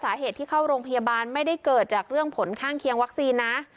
สาเหตุที่เข้าโรงพยาบาลไม่ได้เกิดจากเรื่องผลข้างเคียงวัคซีนนะ